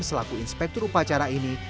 selaku inspektur upacara ini